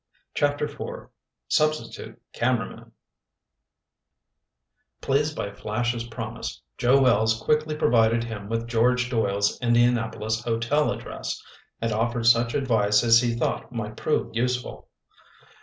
CHAPTER IV SUBSTITUTE CAMERAMAN Pleased by Flash's promise, Joe Wells quickly provided him with George Doyle's Indianapolis hotel address, and offered such advice as he thought might prove useful.